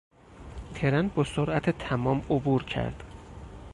ترن با سرعت تمام عبور کرد.